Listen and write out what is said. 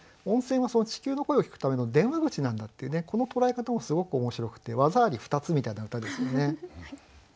温泉は地球の声を聴くための電話口なんだっていうねこの捉え方もすごく面白くて技あり２つみたいな歌ですよね。